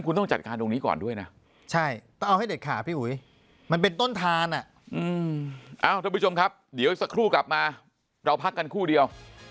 คุณต้องจัดการตรงนี้ก่อนด้วยนะใช่ต้องเอาให้เด็ดขาพี่อุ๋ยมันเป็นต้นทานท่านผู้ชมครับเดี๋ยวสักครู่กลับมาเราพักกันครู่เดียว